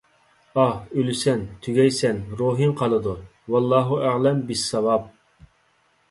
ئاھ، ئۆلىسەن، تۈگەيسەن، روھىڭ قالىدۇ. ۋاللاھۇ ئەئلەم بىسساۋاب!